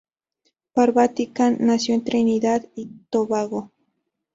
Parvati Khan nació en Trinidad y Tobago.